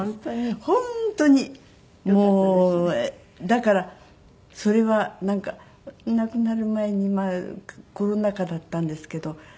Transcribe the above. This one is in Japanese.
だからそれはなんかいなくなる前にまあコロナ禍だったんですけど。